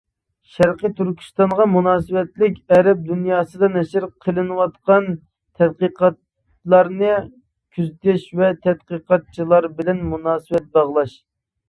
شەرقىي تۈركىستانغا مۇناسىۋەتلىك ئەرەب دۇنياسىدا نەشر قىلىنىۋاتقان تەتقىقاتلارنى كۆزىتىش ۋە تەتقىقاتچىلار بىلەن مۇناسىۋەت باغلاش.